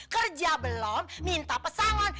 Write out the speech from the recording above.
kerja belum minta pesangon